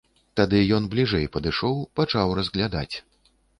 Тады ён бліжэй падышоў, пачаў разглядаць.